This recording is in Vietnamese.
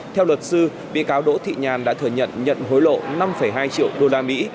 theo luật sư bị cáo đỗ thị nhàn đã thừa nhận nhận hối lộ năm hai triệu đô la mỹ